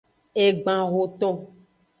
Egban hoton.